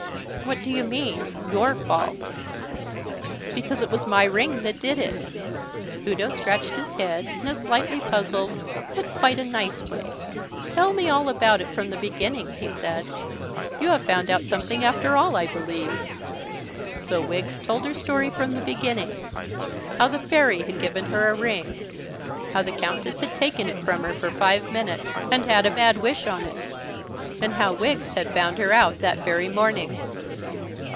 "What do you mean your fault?" "Because it was my ring that did it." Udo scratched his head in a slightly puzzled but quite a nice way. "Tell me all about it from the beginning," he said. "You have found out something after all, I believe." So Wiggs told her story from the beginning. How the fairy had given her a ring; how the Countess had taken it from her for five minutes and had a bad wish on it; and how Wiggs had found her out that very morning.